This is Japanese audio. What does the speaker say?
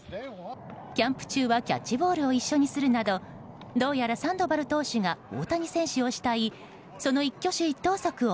キャンプ中はキャッチボールを一緒にするなどどうやらサンドバル投手が大谷選手を慕いその一挙手一投足を